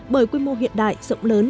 bởi quy mô hiện đại rộng lớn